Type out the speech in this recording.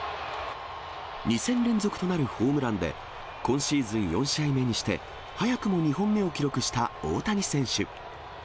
２戦連続となるホームランで、今シーズン４試合目にして、早くも２本目を記録した大谷選手。